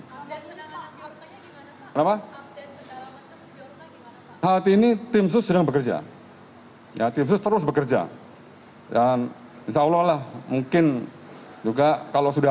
hai apa apa hal ini tim susun bekerja ya terus bekerja dan insyaallah mungkin juga kalau sudah